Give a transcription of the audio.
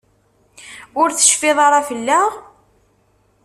Ur tecfiḍ ara fell-aɣ?